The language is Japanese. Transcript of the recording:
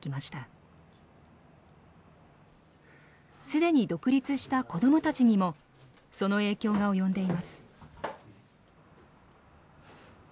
既に独立した子どもたちにもその影響が及んでいます。